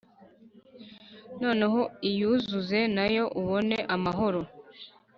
Noneho iyuzuze na yo ubone amahoro